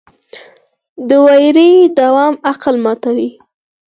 د ویرې دوام عقل ماتوي.